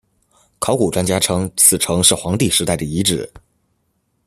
考古专家称此城是黄帝时代的遗址。